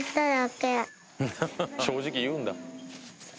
正直に言うんだ。